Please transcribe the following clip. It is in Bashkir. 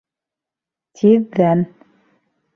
Тиҙҙән